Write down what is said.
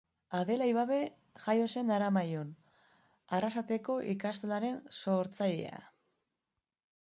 Adela Ibabe jaio zen Aramaion, Arrasateko ikastolaren sortzailea